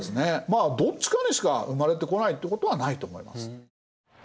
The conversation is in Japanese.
まあどっちかにしか生まれてこないってことはないと思います。